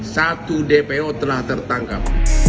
satu dpo telah tertangkap